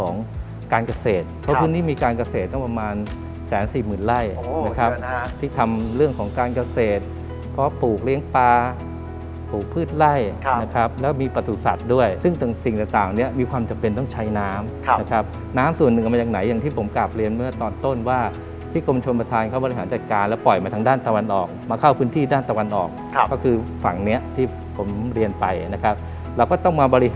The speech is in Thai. นะครับที่ทำเรื่องของการเกาเศษเพราะปลูกเลี้ยงปลาปลูกพืชไล่นะครับแล้วมีประสุทธิ์สัตว์ด้วยซึ่งสิ่งต่างเนี่ยมีความจำเป็นต้องใช้น้ำนะครับน้ำส่วนหนึ่งออกมาจากไหนอย่างที่ผมกลับเรียนเมื่อตอนต้นว่าที่กรมชนประธานเขาบริหารจัดการแล้วปล่อยมาทางด้านตะวันออกมาเข้าพื้นที่ด้านตะวันออกก็